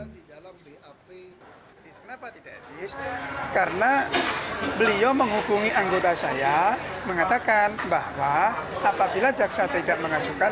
kenapa tidak etis karena beliau menghubungi anggota saya mengatakan bahwa apabila jaksa tidak mengajukan